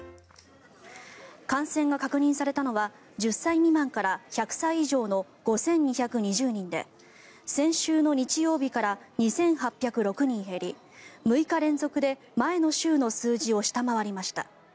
感染が確認されたのは１０歳未満から１００歳以上の５２２０人で先週の日曜日から２８０６人減り６日連続で前の週の同じ数字を下回りました。